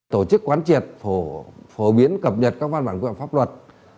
tổ chức quán triệt phổ biến cập nhật các văn bản quyền pháp luật